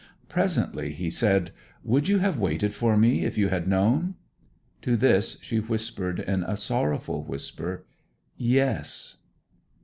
Presently he said, 'Would you have waited for me if you had known?' To this she whispered in a sorrowful whisper, 'Yes!'